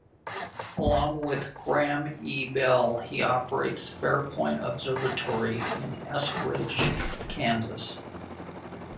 Along with Graham E. Bell, he operates Farpoint Observatory in Eskridge, Kansas.